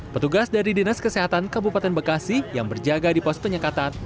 petugas dari dinas kesehatan kabupaten bekasi yang berjaga di pos penyekatan